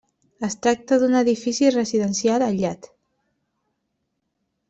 Es tracta d'un edifici residencial aïllat.